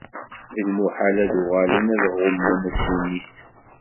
D lmuḥal ad uɣalen ad ɣummen ddunit.